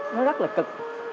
nó rất là cực